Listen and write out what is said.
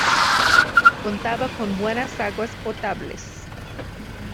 Contaba con buenas aguas potables.